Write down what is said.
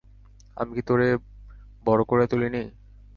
আমি কি তোরে বড় করে তুলিনি?